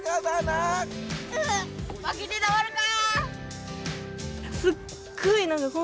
うぅまけてたまるか。